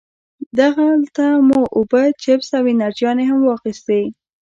دغلته مو اوبه، چپس او انرژيانې هم واخيستې.